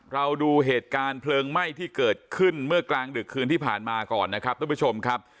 ดูเหตุการณ์เพลิงไหม้ที่เกิดขึ้นเมื่อกลางดึกคืนที่ผ่านมาก่อนนะครับทุกผู้ชมครับ